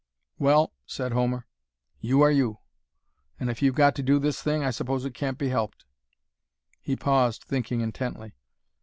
"Well," said Homer, "you are you; and if you've got to do this thing I suppose it can't be helped." He paused, thinking intently.